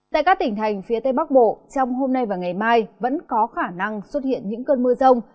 tại các tỉnh thành phía tây bắc bộ trong hôm nay và ngày mai vẫn có khả năng xuất hiện những cơn mưa rông